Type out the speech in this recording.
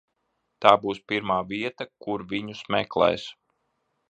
Tā būs pirmā vieta, kur viņus meklēs.